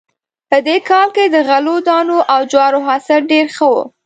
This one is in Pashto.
په دې کال کې د غلو دانو او جوارو حاصل ډېر ښه و